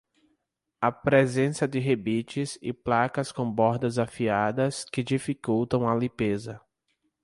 A presença de rebites e placas com bordas afiadas que dificultam a limpeza.